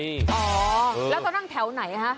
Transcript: อ๋อแล้วตอนนั่งแถวไหนฮะ